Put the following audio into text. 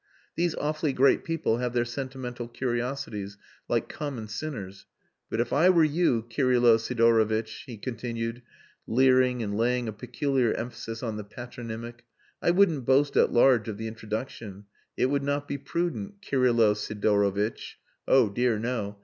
These awfully great people have their sentimental curiosities like common sinners. But if I were you, Kirylo Sidorovitch," he continued, leering and laying a peculiar emphasis on the patronymic, "I wouldn't boast at large of the introduction. It would not be prudent, Kirylo Sidorovitch. Oh dear no!